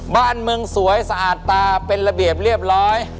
บ้านเมืองสวยสะอาดตาเป็นระเบียบเรียบร้อย